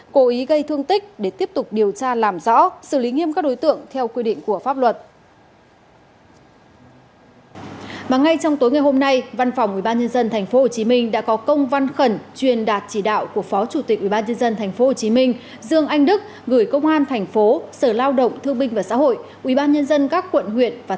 cố ý gây thương tích để tiếp tục điều tra làm rõ xử lý nghiêm các đối tượng theo quy định của pháp luật